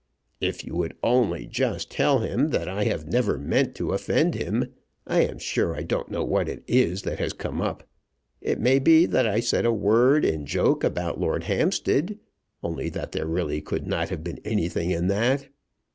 "If you would only just tell him that I have never meant to offend him! I am sure I don't know what it is that has come up. It may be that I said a word in joke about Lord Hampstead, only that there really could not have been anything in that.